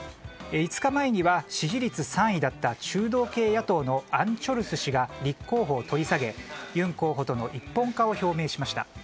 ５日前には支持率３位だった中道系野党のアン・チョルス氏が立候補を取り下げユン候補との一本化を表明しました。